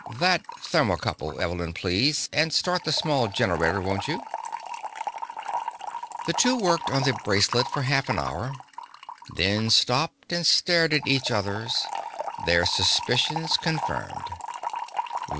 "That thermo couple, Evelyn, please. And start the small generator, won't you?" The two worked on the bracelet for half an hour, then stopped and stared at each other, their suspicions confirmed.